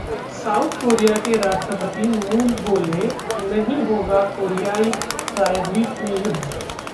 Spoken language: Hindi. साउथ कोरिया के राष्ट्रपति मूल बोले, नहीं होगा कोरियाई प्रायद्वीप में युद्ध